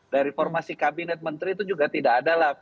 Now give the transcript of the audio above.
dari formasi kabinet menteri itu juga tidak ada lah